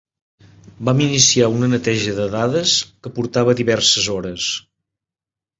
Vam iniciar una neteja de dades que portara diverses hores.